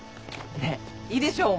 ねえいいでしょう？